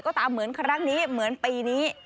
ก็ตามเหมือนครั้งนี้เหมือนปีนี้